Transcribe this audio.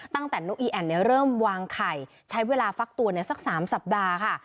นกอีแอ่นเริ่มวางไข่ใช้เวลาฟักตัวสัก๓สัปดาห์ค่ะ